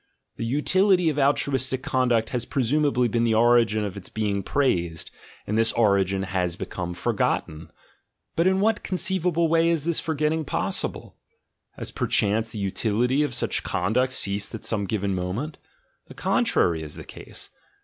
The utility of altruistic conduct has presumably been the origin of its being praised, and this origin has become forgotten: — But in what conceivable way is this forgetting possible? Has perchance the utility of such conduct ceased at some given moment? The contrary is the case.